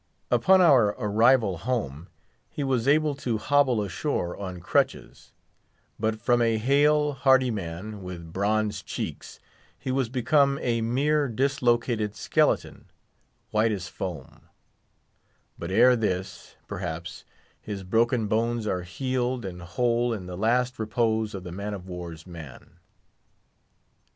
Upon our arrival home, he was able to hobble ashore on crutches; but from a hale, hearty man, with bronzed cheeks, he was become a mere dislocated skeleton, white as foam; but ere this, perhaps, his broken bones are healed and whole in the last repose of the man of war's man.